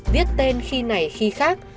viết tên khi này khi khác